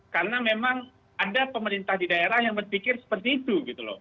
karena memang ada pemerintah di daerah yang berpikir seperti itu gitu loh